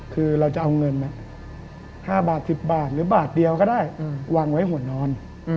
คือเราจะเอาเงิน๕๑๐บาทได้วางไว้หัวนอน